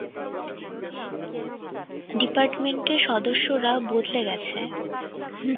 ডিপার্টমেন্টের সদস্যরা বদলে গেছে।